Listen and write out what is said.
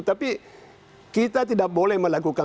tapi kita tidak boleh melakukan